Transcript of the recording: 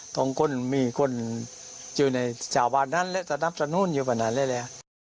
ต้องมีคนอยู่ในชาวบ้านนั้นแหละสนับสนุนอยู่ตรงนั้นแหละ